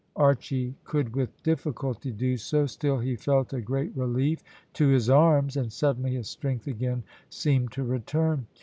Archy could with difficulty do so, still he felt a great relief to his arms, and suddenly his strength again seemed to return.